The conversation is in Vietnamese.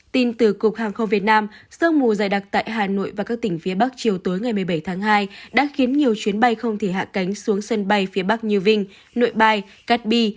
tin từ cục hàng không việt nam sương mù dày đặc tại hà nội và các tỉnh phía bắc chiều tối ngày một mươi bảy tháng hai đã khiến nhiều chuyến bay không thể hạ cánh xuống sân bay phía bắc như vinh nội bài cát bi